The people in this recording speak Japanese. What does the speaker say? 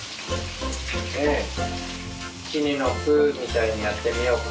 いちにのぷみたいにやってみようか。